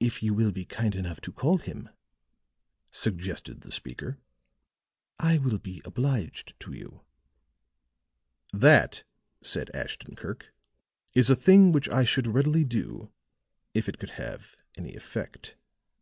"If you will be kind enough to call him," suggested the speaker, "I will be obliged to you." "That," said Ashton Kirk, "is a thing which I should readily do if it could have any effect.